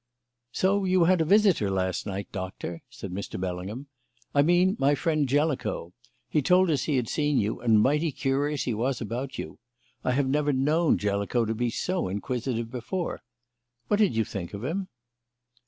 "So you had a visitor last night, Doctor," said Mr. Bellingham. "I mean my friend Jellicoe. He told us he had seen you, and mighty curious he was about you. I have never known Jellicoe to be so inquisitive before. What did you think of him?"